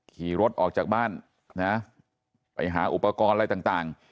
ขี่รถออกจากบ้านนะไปหาอุปกรณ์อะไรต่าง